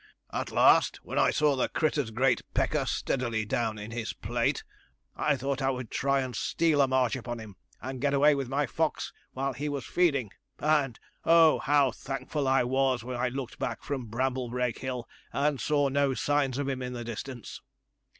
At last, when I saw the critter's great pecker steadily down in his plate, I thought I would try and steal a march upon him, and get away with my fox while he was feeding; and, oh! how thankful I was when I looked back from Bramblebrake Hill, and saw no signs of him in the distance.'